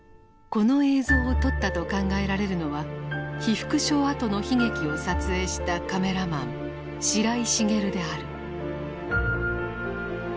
この映像を撮ったと考えられるのは被服廠跡の悲劇を撮影したカメラマン白井茂である。